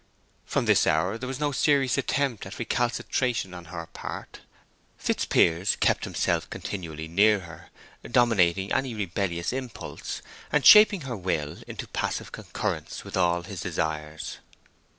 From this hour there was no serious attempt at recalcitration on her part. Fitzpiers kept himself continually near her, dominating any rebellious impulse, and shaping her will into passive concurrence with all his desires.